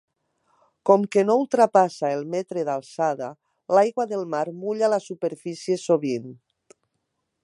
Com que no ultrapassa el metre d'alçada, l'aigua del mar mulla la superfície sovint.